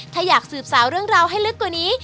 ถ้าอยากสืบสาวเรื่องราวให้ลึกกว่านี้